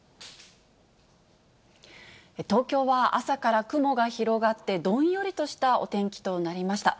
東京は朝から雲が広がって、どんよりとしたお天気となりました。